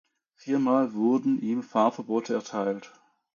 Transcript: Viermal wurden ihm Fahrverbote erteilt.